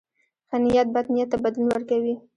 ښه نیت بد نیت ته بدلون ورکوي.